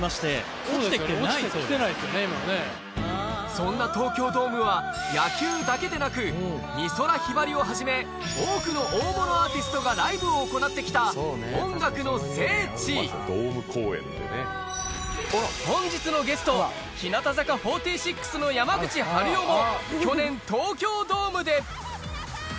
そんな東京ドームは野球だけでなく美空ひばりをはじめ多くの大物アーティストがライブを行ってきた本日のゲストも去年東京ドームでイェイ！